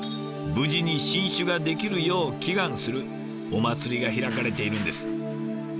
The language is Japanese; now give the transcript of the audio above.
無事に新酒ができるよう祈願するお祭りが開かれているんです。